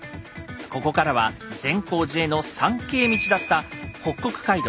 ここからは善光寺への参詣道だった北国街道